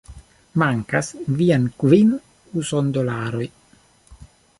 Mankas viaj kvin usondolaroj